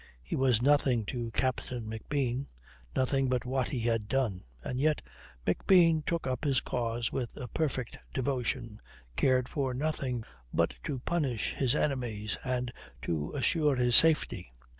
He was nothing to Captain McBean, nothing but what he had done, and yet McBean took up his cause with a perfect devotion, cared for nothing but to punish his enemies, and to assure his safety.